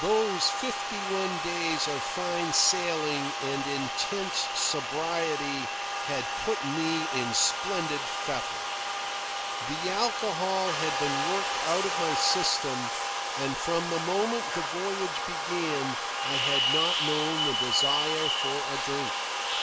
Those fifty one days of fine sailing and intense sobriety had put me in splendid fettle. The alcohol had been worked out of my system, and from the moment the voyage began I had not known the desire for a drink.